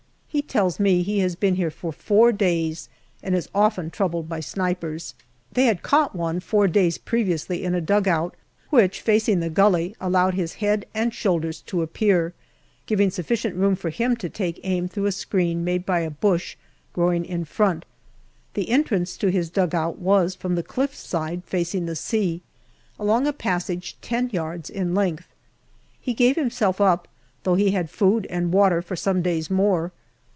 He tells me he has been here for four days and is often troubled by snipers. They had caught one four days previously in a dugout which, facing the gully, allowed his head and shoulders to appear, giving sufficient room for him to take aim through a screen made by a bush growing in front. The entrance to his dugout was from the cliff side facing the sea, along a passage ten yards in length. He gave himself up, though he had food and water for some days more.